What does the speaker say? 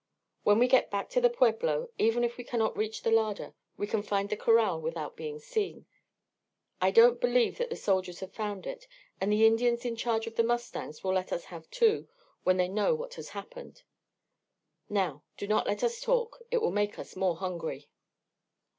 When we get back to the pueblo, even if we cannot reach the larder, we can find the corral without being seen. I don't believe that the soldiers have found it, and the Indians in charge of the mustangs will let us have two when they know what has happened. Now, do not let us talk. It will make us more hungry."